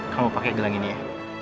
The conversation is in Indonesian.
kamu pakai gelang ini ya